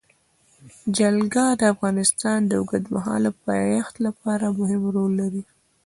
جلګه د افغانستان د اوږدمهاله پایښت لپاره مهم رول لري.